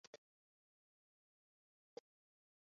劳工之薪资